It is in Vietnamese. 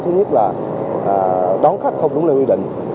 thứ nhất là đón khách không đúng quy định